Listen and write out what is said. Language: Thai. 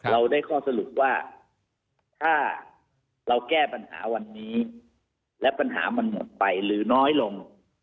เราได้ข้อสรุปว่าถ้าเราแก้ปัญหาวันนี้และปัญหามันหมดไปหรือน้อยลง